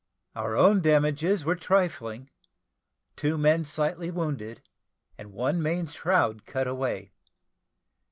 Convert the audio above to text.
Our own damages were trifling two men slightly wounded, and one main shroud cut away.